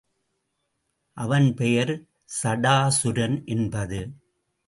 அவன் பெயர் சடாசுரன் என்பது.